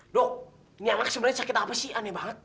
dok ini anak sebenernya sakit apa sih aneh banget